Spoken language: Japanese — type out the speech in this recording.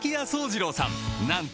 惣次郎さん